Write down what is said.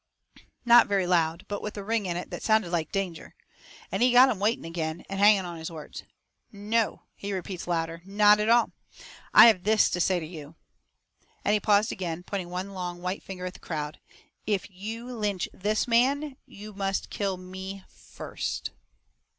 Not very loud, but with a ring in it that sounded like danger. And he got 'em waiting agin, and hanging on his words. "No!" he repeats, louder, "not all. I have this to say to you " And he paused agin, pointing one long white finger at the crowd "IF YOU LYNCH THIS MAN YOU MUST KILL ME FIRST!"